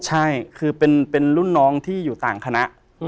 ใช่คือเป็นรุ่นน้องที่อยู่ต่างคณะ